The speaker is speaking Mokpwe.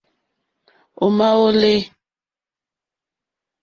Ò má ó lê.